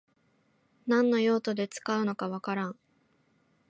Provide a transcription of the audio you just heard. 何の用途で使うのかわからん